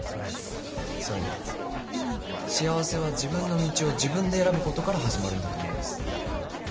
それに幸せは自分の道を自分で選ぶことから始まるんだと思います。